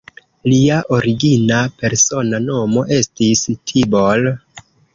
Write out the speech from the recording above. Lia origina persona nomo estis Tibor.